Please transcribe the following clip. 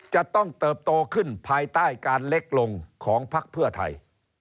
จะต้องเติบโตขึ้นภายใต้การเล็กลงของพักเพื่อไทย